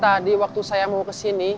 tadi waktu saya mau kesini